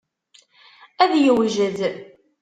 Ad yewjed.